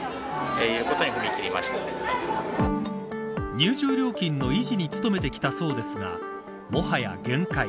入場料金の維持に努めてきたそうですがもはや限界。